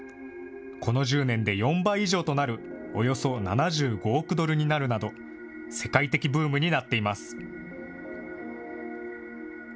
この１０年で４倍以上となるおよそ７５億ドルになるなど、世界的ブームになっています。